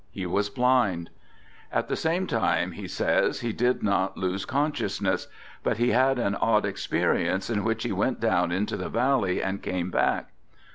He was blind. At the same time he says he did not lose con sciousness. But he had an odd experience, in which he went down into the valley and came back.